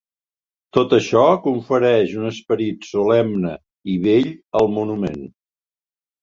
Tot això confereix un esperit solemne i bell al monument.